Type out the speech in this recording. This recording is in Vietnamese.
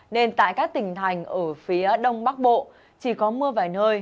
nên tại các tỉnh thành ở phía đông bắc bộ chỉ có mưa vài nơi